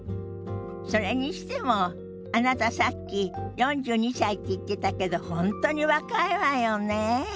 それにしてもあなたさっき４２歳って言ってたけど本当に若いわよねえ。